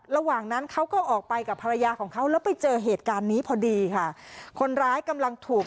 ระหว่างนั้นเขาก็ออกไปกับภรรยาของเขาแล้วไปเจอเหตุการณ์นี้พอดีค่ะ